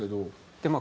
でまあ